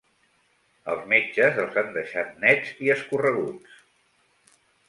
Els metges els han deixat nets i escorreguts.